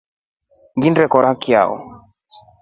Ngili kora chao.